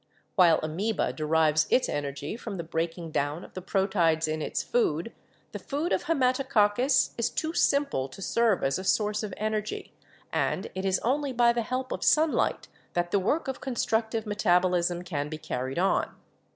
While Amoeba derives its energy from the breaking down of the proteids in its food, the food of Haematococcus is too simple to serve as a source of energy, and it is only by the help of sunlight that the work of constructive metabo lism can be carried on.